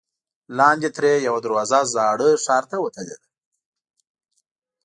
لاندې ترې یوه دروازه زاړه ښار ته وتلې ده.